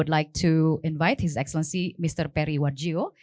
dan bukterian bank indonesia